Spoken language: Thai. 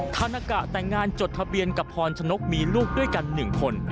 ทานากะแต่งงานจดทะเบียนกับพรชนกมีลูกด้วยกัน๑คน